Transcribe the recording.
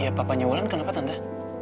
ya papa ya wulan kenapa tante